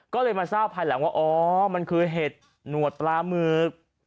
ก็เลยมาทราบภายหลังว่าอ๋อมันคือเห็ดหนวดปลาหมึก